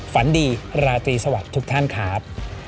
ฝันดีราตรีสวัสดีทุกท่านครับ